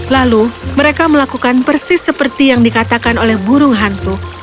lalu mereka melakukan persis seperti yang dikatakan oleh burung hantu